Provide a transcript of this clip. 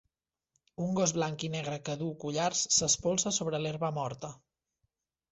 Un gos blanc i negre que duu collars s'espolsa sobre l'herba morta.